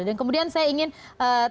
dan kemudian saya ingin terkait